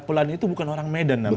pelani itu bukan orang medan namanya